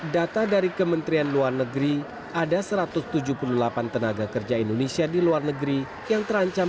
data dari kementerian luar negeri ada satu ratus tujuh puluh delapan tenaga kerja indonesia di luar negeri yang terancam